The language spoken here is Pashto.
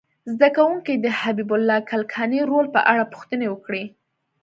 زده کوونکي دې د حبیب الله کلکاني رول په اړه پوښتنې وکړي.